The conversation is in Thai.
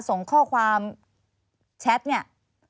ส่งข้อความแชทเนี่ย